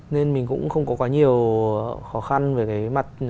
nên mình cũng không có quá nhiều khó khăn về cái mặt